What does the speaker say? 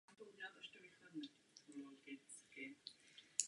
Uspořádání stadionu připomínají i tři fontány v ose náměstí.